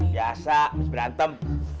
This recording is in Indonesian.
biasa must berantem